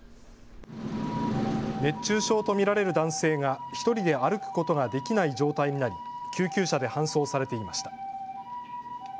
熱中症と見られる男性が１人で歩くことができない状態になり救急車で搬送されていました。